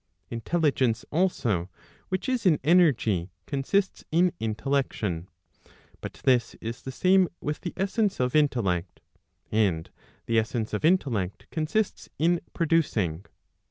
Intelligence also which is in energy, consists in intellection. But this is the same with the essence of intellect. And the essence of intellect consists in producing.